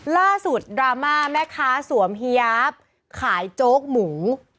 ล่าสุดดราม่าแม่ค้าสวมเฮียาฟขายโจ๊กหมู